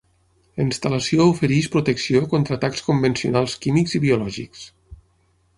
La instal·lació ofereix protecció contra atacs convencionals, químics i biològics.